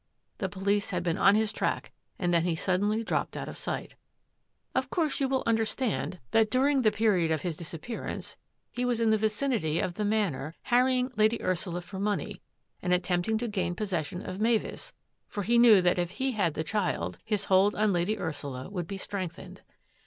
The police had been on his track and then he suddenly dropped out of sight. " Of course you will understand that during the DETECTIVE METHODS 859 period of his disappearance he was in the vicinity of the Manor, harrying Lady Ursula for money and attempting to gain possession of Mavis, for he knew that if he had the child, his hold on Lady Ursula would be strengthened.